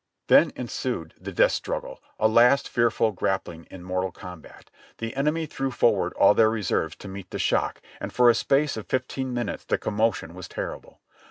Then ensued the death struggle, a last fearful grappling in mortal combat. The enemy threw forward all their reserves to meet the shock, and for a space of fifteen minutes the commotion was terrible.